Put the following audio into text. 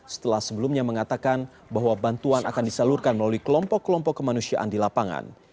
setelah sebelumnya mengatakan bahwa bantuan akan disalurkan melalui kelompok kelompok kemanusiaan di lapangan